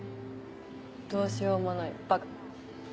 どうしようもないバカ。